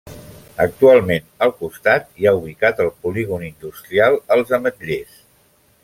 Actualment, al costat hi ha ubicat el polígon industrial Els Ametllers.